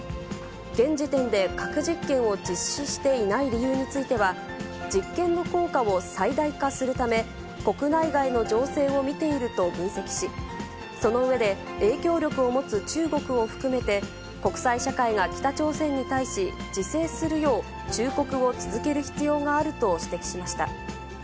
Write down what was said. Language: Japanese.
現時点で核実験を実施していない理由については、実験の効果を最大化するため、国内外の情勢を見ていると分析し、その上で、影響力を持つ中国を含めて、国際社会が北朝鮮に対し自制するよう忠告を続ける必要があると指摘しました。